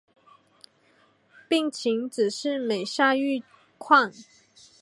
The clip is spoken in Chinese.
病情只是每下愈况